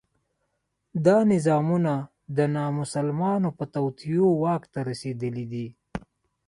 دا نظامونه د نامسلمانو په توطیو واک ته رسېدلي دي.